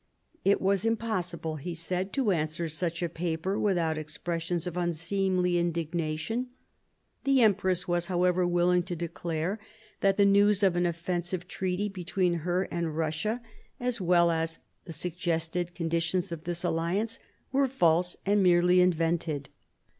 " It was impossible," he said, " to answer such a paper without expressions of unseemly indignation. The empress was, however, willing to declare that the news of an offensive treaty between her and Eussia, as well 120 MARIA THERESA chap, vi as the suggested conditions of this alliance, were false and merely invented.